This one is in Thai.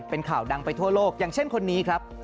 เป็นข่าวดังไปทั่วโลกอย่างเช่นคนนี้ครับ